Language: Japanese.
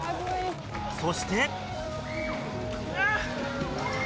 そして。